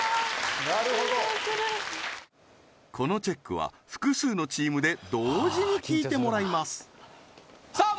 なるほどこのチェックは複数のチームで同時に聴いてもらいますさあ